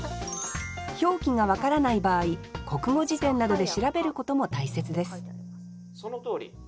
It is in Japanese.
表記が分からない場合国語辞典などで調べることも大切です